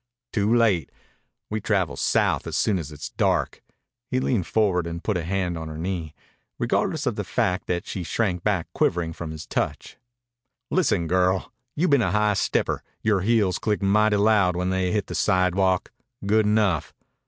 "Too late. We travel south soon as it's dark." He leaned forward and put a hand on her knee, regardless of the fact that she shrank back quivering from his touch. "Listen, girl. You been a high stepper. Yore heels click mighty loud when they hit the sidewalk. Good enough.